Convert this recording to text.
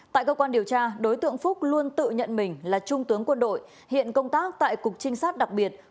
tại cơ quan điều tra đối tượng phúc luôn tự nhận mình là trung tướng quân đội hiện công tác tại cục trinh sát đặc biệt